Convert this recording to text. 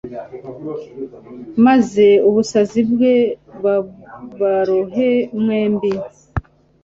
maze ubusazi bwe bubarohe mwembi